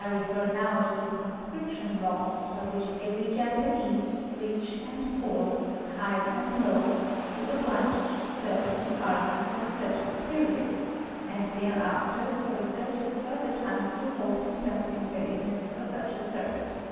I refer now to the conscription law, by which every Japanese, rich and poor, high and low, is obliged to serve Educational Institutions. 195 in the army fora certain period, and thereafter for a certain fur ther time to hold himself in readiness for such service.